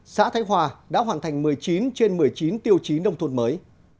xã thái hòa đã hoàn thành một mươi chín trên một mươi chín tiêu chí nông thôn mới